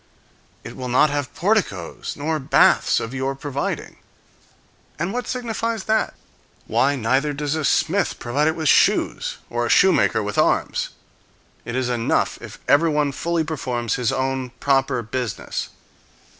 "It will not have porticoes nor baths of your providing." And what signifies that? Why, neither does a smith provide it with shoes, or a shoemaker with arms. It is enough if everyone fully performs his own proper business.